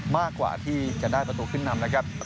มากกว่าที่จะได้ประตูขึ้นนำนะครับ